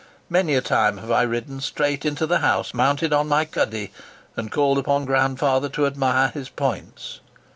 Many a time have I ridden straight into the house, mounted on my cuddy, and called upon grandfather to admire his points.